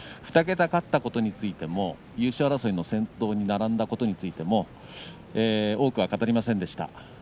２桁勝ったことについても優勝争いの先頭に並んだことについても多くは語りませんでした。